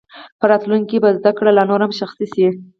په راتلونکي کې به زده کړه لا نوره شخصي شي.